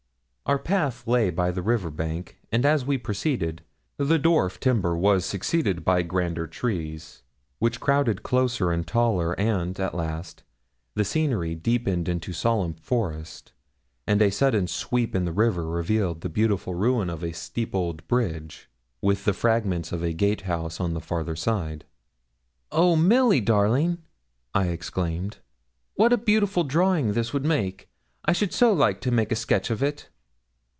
Our path lay by the river bank, and as we proceeded, the dwarf timber was succeeded by grander trees, which crowded closer and taller, and, at last, the scenery deepened into solemn forest, and a sudden sweep in the river revealed the beautiful ruin of a steep old bridge, with the fragments of a gate house on the farther side. 'Oh, Milly darling!' I exclaimed, 'what a beautiful drawing this would make! I should so like to make a sketch of it.'